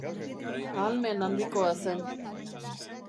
Ahalmen handikoa zen.